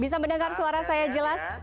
bisa mendengar suara saya jelas